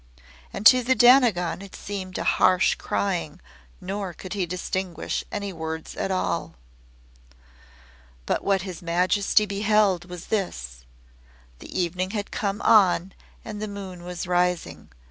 And to the Dainagon it seemed a harsh crying nor could he distinguish any words at all. But what His Majesty beheld was this. The evening had come on and the moon was rising.